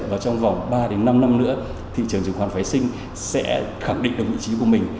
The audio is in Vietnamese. và trong vòng ba đến năm năm nữa thị trường chứng khoán phái sinh sẽ khẳng định được vị trí của mình